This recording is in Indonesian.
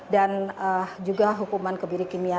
dan juga hukuman kebirikimia